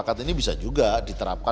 kepentingan yang diperlukan adalah